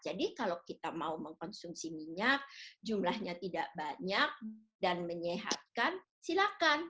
jadi kalau kita mau mengkonsumsi minyak jumlahnya tidak banyak dan menyehatkan silakan